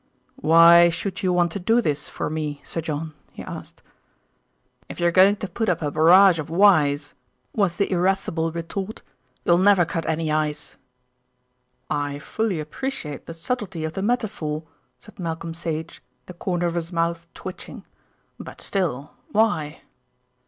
"Why should you want to do this for me, Sir John?" he asked. "If you're going to put up a barrage of whys," was the irascible retort, "you'll never cut any ice." "I fully appreciate the subtlety of the metaphor," said Malcolm Sage, the corners of his mouth twitching; "but still why?"